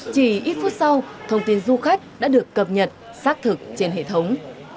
chỉ ít phút sau thông tin du khách đã được cập nhật xác thực trên hệ thống